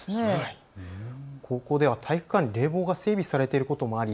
高校では体育館に冷房が整備されていることもあり